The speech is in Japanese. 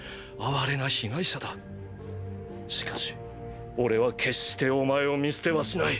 しかし俺は決してお前を見捨てはしない。